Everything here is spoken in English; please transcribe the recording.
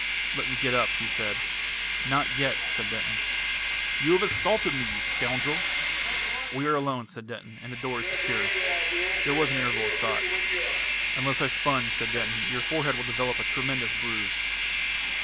"Let me get up," he said. "Not yet," said Denton. "You have assaulted me, you scoundrel!" "We are alone," said Denton, "and the door is secure." There was an interval of thought. "Unless I sponge," said Denton, "your forehead will develop a tremendous bruise."